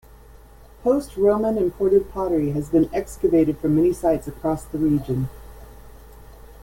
Post-Roman imported pottery has been excavated from many sites across the region.